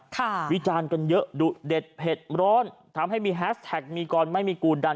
วิจารณ์กันเยอะดุเด็ดเผ็ดร้อนทำให้มีแฮสแท็กมีกรไม่มีกูดัน